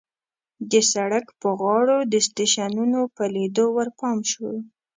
د سړک په غاړو د سټېشنونو په لیدو ورپام شو.